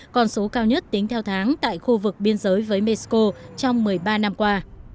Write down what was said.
con số cao nhất tính theo tháng tại khu vực biên giới với mexico trong một mươi ba năm qua